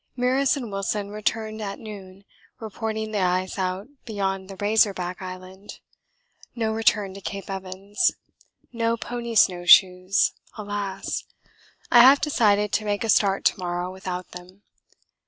Meares and Wilson returned at noon, reporting the ice out beyond the Razor Back Island no return to Cape Evans no pony snow shoes alas! I have decided to make a start to morrow without them.